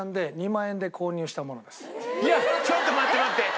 いやちょっと待って待って待って！